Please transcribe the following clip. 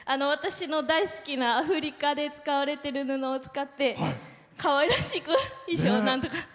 私の大好きなアフリカで使われている布を使って、かわいらしく衣装をなんとか。